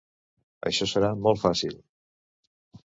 Això serà molt fàcil.